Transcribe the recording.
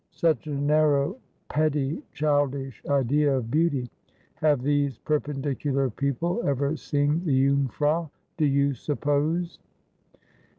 ' Such a narrow, petty, childish idea of beauty ! Have these perpendicular people ever seen the Jungfrau, do you suppose